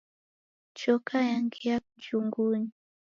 Choka yangia kijungunyi.